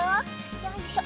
よいしょ。